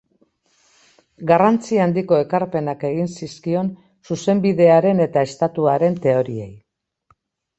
Garrantzi handiko ekarpenak egin zizkion zuzenbidearen eta estatuaren teoriei.